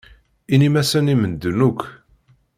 Inim-asen i medden akk.